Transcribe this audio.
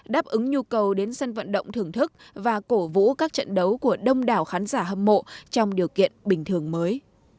đáp ứng nhu cầu đến sân vận động thưởng thức và cổ vũ các trận đấu của đông đảo khán giả hâm mộ trong điều kiện bình thường mới